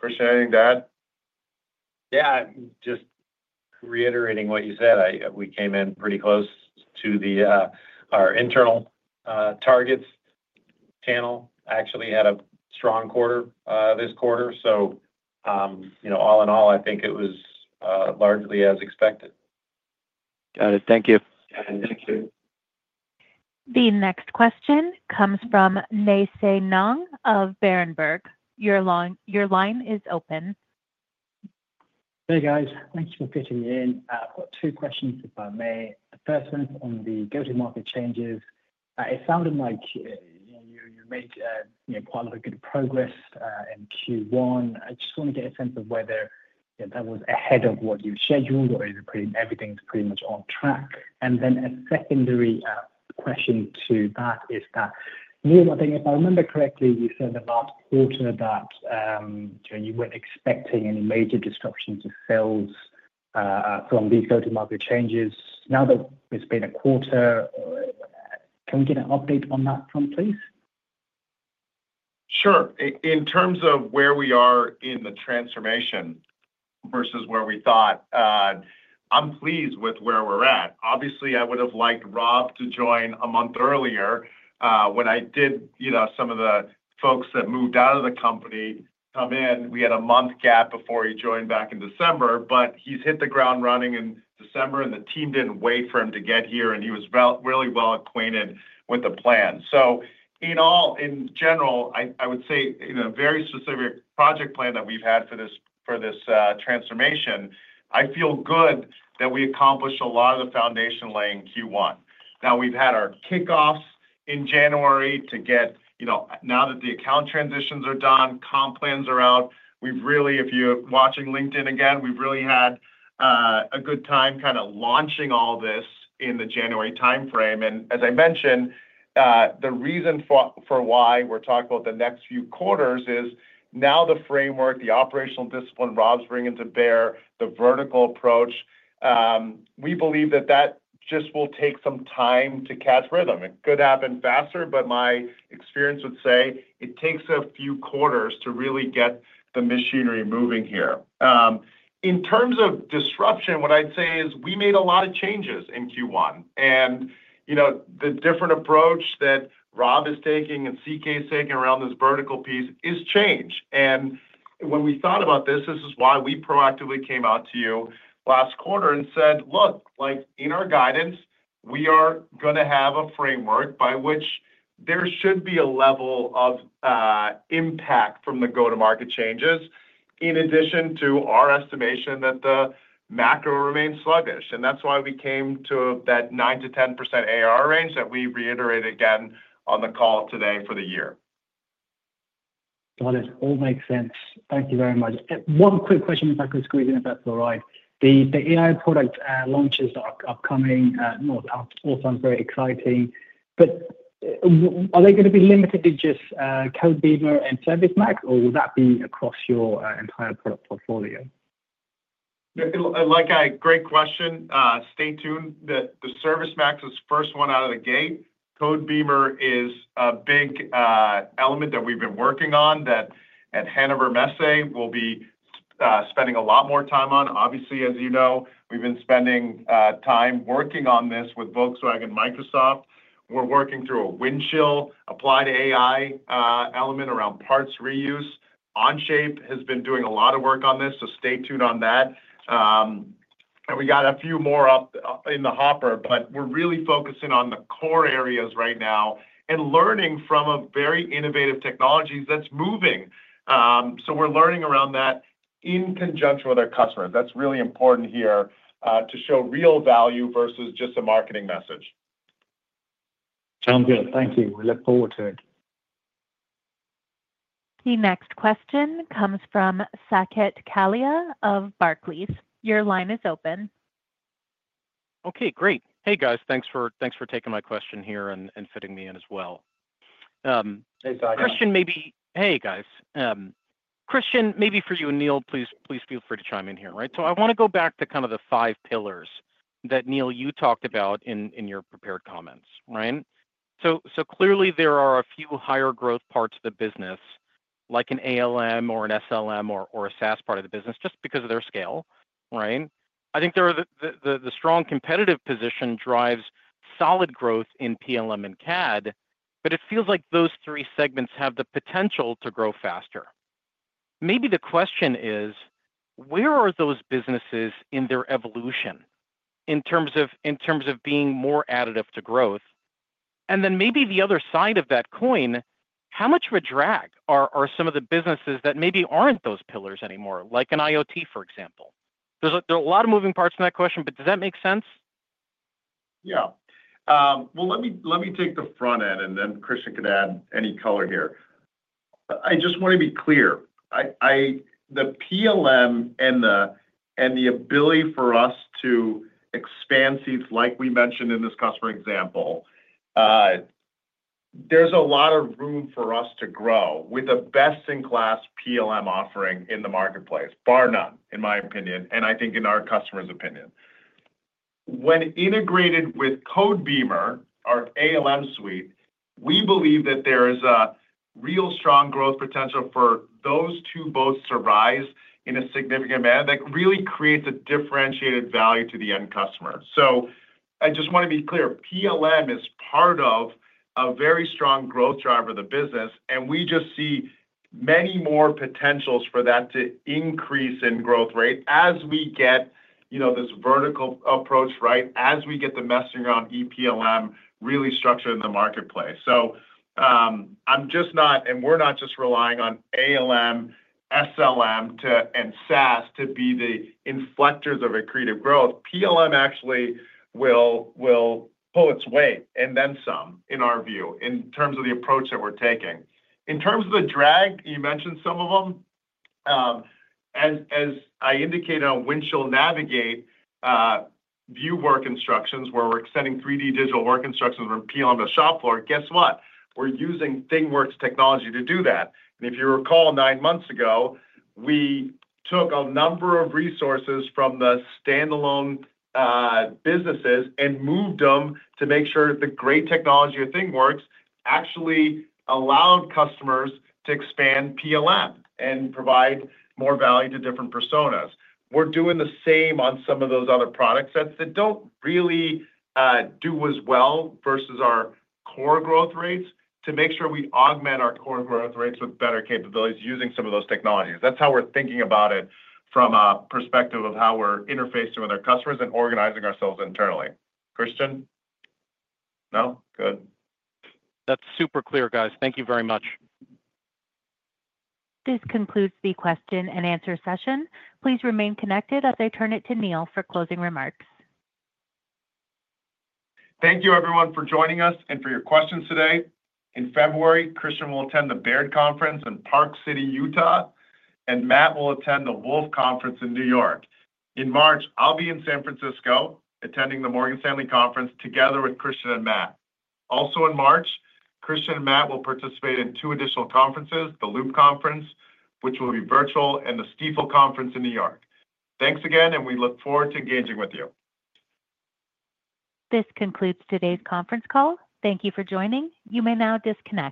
Kristian, that? Yeah. Just reiterating what you said. We came in pretty close to our internal targets. Channel actually had a strong quarter this quarter. So all in all, I think it was largely as expected. Got it. Thank you. Thank you. The next question comes from Nay Soe Naing of Berenberg. Your line is open. Hey, guys. Thanks for fitting in. I've got two questions, if I may. The first one is on the go-to-market changes. It sounded like you made quite a lot of good progress in Q1. I just want to get a sense of whether that was ahead of what you scheduled or everything's pretty much on track. And then a secondary question to that is that, Neil, I think if I remember correctly, you said the last quarter that you weren't expecting any major disruptions to sales from these go-to-market changes. Now that it's been a quarter, can we get an update on that from you, please? Sure. In terms of where we are in the transformation versus where we thought, I'm pleased with where we're at. Obviously, I would have liked Rob to join a month earlier when I did some of the folks that moved out of the company come in. We had a month gap before he joined back in December, but he's hit the ground running in December, and the team didn't wait for him to get here, and he was really well acquainted with the plan. So in general, I would say in a very specific project plan that we've had for this transformation, I feel good that we accomplished a lot of the foundation laying Q1. Now, we've had our kickoffs in January to get now that the account transitions are done, comp plans are out. If you're watching LinkedIn again, we've really had a good time kind of launching all this in the January timeframe. And as I mentioned, the reason for why we're talking about the next few quarters is now the framework, the operational discipline Rob's bringing to bear, the vertical approach. We believe that that just will take some time to catch rhythm. It could happen faster, but my experience would say it takes a few quarters to really get the machinery moving here. In terms of disruption, what I'd say is we made a lot of changes in Q1. And the different approach that Rob is taking and CK's taking around this vertical piece is change. When we thought about this, this is why we proactively came out to you last quarter and said, "Look, in our guidance, we are going to have a framework by which there should be a level of impact from the go-to-market changes in addition to our estimation that the macro remains sluggish." That's why we came to that 9%-10% ARR range that we reiterated again on the call today for the year. Got it. All makes sense. Thank you very much. One quick question, if I could squeeze in, if that's all right. The AI product launches are upcoming, also very exciting. But are they going to be limited to just Codebeamer and ServiceMax, or will that be across your entire product portfolio? Like a great question. Stay tuned. The ServiceMax is the first one out of the gate. Codebeamer is a big element that we've been working on that at Hannover Messe we'll be spending a lot more time on. Obviously, as you know, we've been spending time working on this with Volkswagen and Microsoft. We're working through a Windchill applied AI element around parts reuse. Onshape has been doing a lot of work on this, so stay tuned on that. And we got a few more up in the hopper, but we're really focusing on the core areas right now and learning from very innovative technologies that's moving. So we're learning around that in conjunction with our customers. That's really important here to show real value versus just a marketing message. Sounds good. Thank you. We look forward to it. The next question comes from Saket Kalia of Barclays. Your line is open. Okay. Great. Hey, guys. Thanks for taking my question here and fitting me in as well. Hey, Zach. Hey, guys. Kristian, maybe for you and Neil, please feel free to chime in here. Right? So I want to go back to kind of the five pillars that, Neil, you talked about in your prepared comments. Right? So clearly, there are a few higher growth parts of the business, like an ALM or an SLM or a SaaS part of the business, just because of their scale. Right? I think the strong competitive position drives solid growth in PLM and CAD, but it feels like those three segments have the potential to grow faster. Maybe the question is, where are those businesses in their evolution in terms of being more additive to growth? And then maybe the other side of that coin, how much of a drag are some of the businesses that maybe aren't those pillars anymore, like an IoT, for example? There's a lot of moving parts in that question, but does that make sense? Yeah. Well, let me take the front end, and then Kristian could add any color here. I just want to be clear. The PLM and the ability for us to expand seats, like we mentioned in this customer example, there's a lot of room for us to grow with the best-in-class PLM offering in the marketplace, bar none, in my opinion, and I think in our customer's opinion. When integrated with Codebeamer, our ALM suite, we believe that there is a real strong growth potential for those to both survive in a significant manner that really creates a differentiated value to the end customer. So I just want to be clear. PLM is part of a very strong growth driver of the business, and we just see many more potentials for that to increase in growth rate as we get this vertical approach, right, as we get the messaging around ePLM really structured in the marketplace. So I'm just not, and we're not just relying on ALM, SLM, and SaaS to be the inflectors of creative growth. PLM actually will pull its weight and then some, in our view, in terms of the approach that we're taking. In terms of the drag, you mentioned some of them. As I indicated on Windchill Navigate, view work instructions, where we're extending 3D digital work instructions from PLM to shop floor, guess what? We're using ThingWorx technology to do that. If you recall, nine months ago, we took a number of resources from the standalone businesses and moved them to make sure the great technology of ThingWorx actually allowed customers to expand PLM and provide more value to different personas. We're doing the same on some of those other products that don't really do as well versus our core growth rates to make sure we augment our core growth rates with better capabilities using some of those technologies. That's how we're thinking about it from a perspective of how we're interfacing with our customers and organizing ourselves internally. Kristian? No? Good. That's super clear, guys. Thank you very much. This concludes the question and answer session. Please remain connected as I turn it to Neil for closing remarks. Thank you, everyone, for joining us and for your questions today. In February, Kristian will attend the Baird Conference in Park City, Utah, and Matt will attend the Wolfe Conference in New York. In March, I'll be in San Francisco attending the Morgan Stanley Conference together with Kristian and Matt. Also in March, Kristian and Matt will participate in two additional conferences, the Loop Conference, which will be virtual, and the Stifel Conference in New York. Thanks again, and we look forward to engaging with you. This concludes today's conference call. Thank you for joining. You may now disconnect.